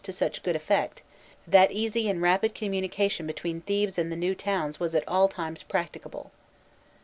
to such good effect that easy and rapid communication between Thebes and the new towns was at all times practicable.